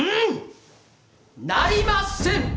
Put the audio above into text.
・なりません！